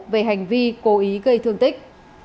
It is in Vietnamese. về hành vi cố ý gây thương tích